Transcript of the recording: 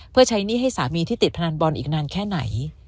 เพื่อใช้หนี้ให้สามีที่ติดพนันบอลอีกนานแค่ไหน